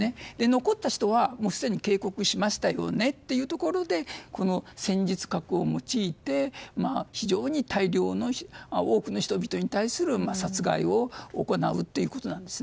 残った人は警告しましたよねというところでこの戦術核を用いて非常に大量の多くの人々に対する殺害を行うということです。